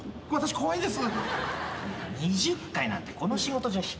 怖いです。